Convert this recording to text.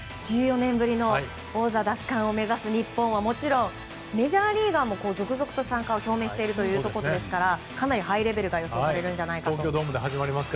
１４年ぶりの王座奪還を目指す日本はもちろんメジャーリーガーも続々と参加を表明していますからかなりハイレベルな試合が予想されると思います。